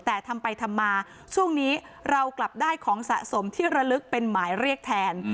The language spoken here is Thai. แต่ทำไปทำมาช่วงนี้เรากลับได้ของสะสมที่ระลึกเป็นหมายเรียกแทน